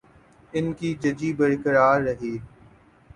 ان کی ججی برقرار ہے۔